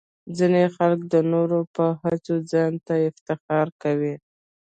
ځینې خلک د نورو په هڅو ځان ته افتخار کوي.